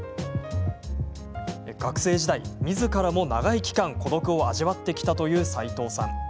学生時代、みずからも長い期間孤独を味わってきたという齋藤さん。